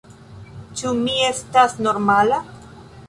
Ĉu mi estas normala?